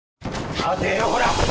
待てよほら！